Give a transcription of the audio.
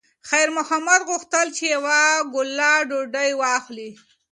خیر محمد غوښتل چې یوه ګوله ډوډۍ واخلي.